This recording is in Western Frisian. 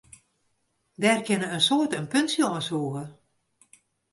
Dêr kinne in soad in puntsje oan sûge.